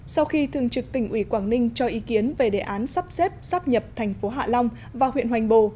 sau khi thường trực tỉnh ủy quảng ninh cho ý kiến về đề án sắp xếp sắp nhập thành phố hạ long và huyện hoành bồ